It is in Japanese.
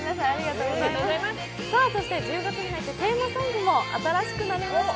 そして１０月に入ってテーマソングも新しくなりました。